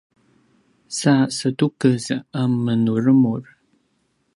sa setukez a menuremur